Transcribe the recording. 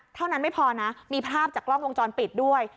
เท่านั้นไม่พอนะมีภาพจากกล้องวงจรปิดด้วย